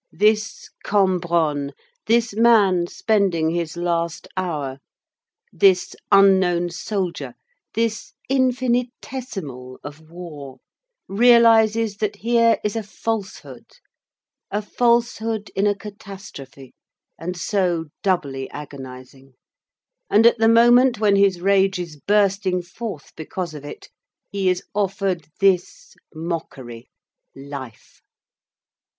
This Cambronne, this man spending his last hour, this unknown soldier, this infinitesimal of war, realizes that here is a falsehood, a falsehood in a catastrophe, and so doubly agonizing; and at the moment when his rage is bursting forth because of it, he is offered this mockery,—life!